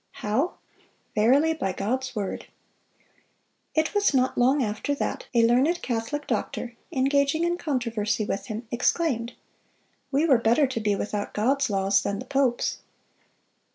How?... Verily by God's word."(363) It was not long after that a learned Catholic doctor, engaging in controversy with him, exclaimed, "We were better to be without God's laws than the pope's."